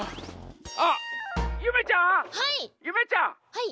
はい！